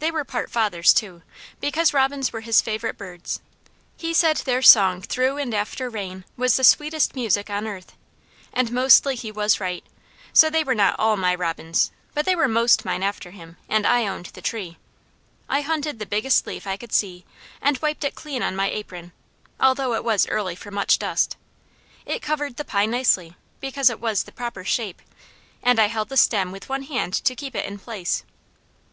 They were part father's too, because robins were his favourite birds; he said their song through and after rain was the sweetest music on earth, and mostly he was right; so they were not all my robins, but they were most mine after him; and I owned the tree. I hunted the biggest leaf I could see, and wiped it clean on my apron, although it was early for much dust. It covered the pie nicely, because it was the proper shape, and I held the stem with one hand to keep it in place.